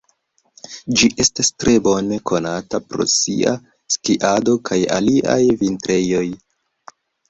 Ĝi estas tre bone konata pro sia skiado kaj aliaj vintrejoj.